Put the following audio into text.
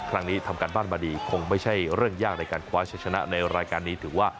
ครั้งนี้ทำการบ้านมาดีคงไม่ใช่เรื่องยากในการคว้าชะชนะในรายการนี้ถือว่า